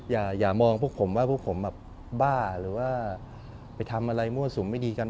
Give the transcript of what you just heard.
อย่ามองพวกผมว่าพวกผมแบบบ้าหรือว่าไปทำอะไรมั่วสุมไม่ดีกัน